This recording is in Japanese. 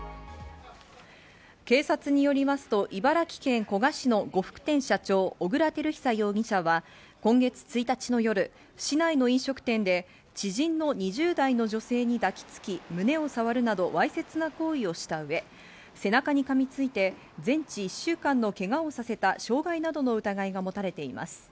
警察によりますと、茨城県古河市の呉服店社長・小倉輝久容疑者は今月１日の夜、市内の飲食店で、知人の２０代の女性に抱きつき胸をさわるなどわいせつな行為をしたうえ、背中にかみついて、全治１週間のけがをさせた傷害などの疑いが持たれています。